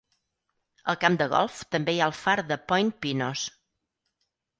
Al camp de golf també hi ha el far de Point Pinos.